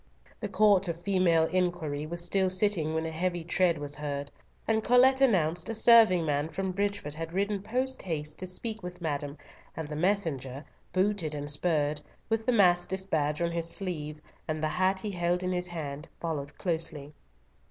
The court of female inquiry was still sitting when a heavy tread was heard, and Colet announced "a serving man from Bridgefield had ridden post haste to speak with madam," and the messenger, booted and spurred, with the mastiff badge on his sleeve, and the hat he held in his hand, followed closely.